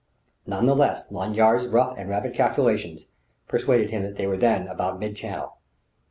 None the less Lanyard's rough and rapid calculations persuaded him that they were then about Mid Channel.